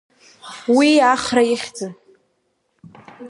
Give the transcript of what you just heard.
Уи Ахра ихьӡын.